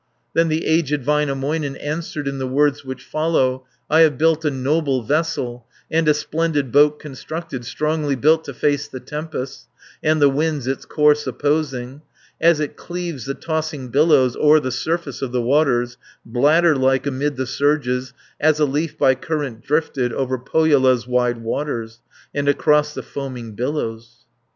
Then the aged Väinämöinen Answered in the words which follow: "I have built a noble vessel And a splendid boat constructed, Strongly built to face the tempests, And the winds its course opposing, As It cleaves the tossing billows, O'er the surface of the water, 690 Bladder like amid the surges, As a leaf, by current drifted, Over Pohjola's wide waters, And across the foaming billows."